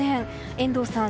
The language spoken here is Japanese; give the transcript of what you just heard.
遠藤さん